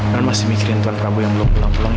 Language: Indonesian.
kan masih mikirin tuan prabowo yang belum pulang pulang